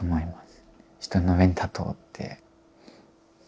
人の上に立とうって。